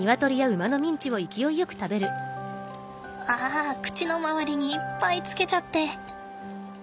あ口の周りにいっぱいつけちゃって。